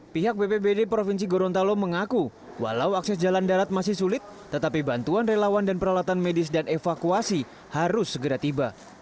pihak bpbd provinsi gorontalo mengaku walau akses jalan darat masih sulit tetapi bantuan relawan dan peralatan medis dan evakuasi harus segera tiba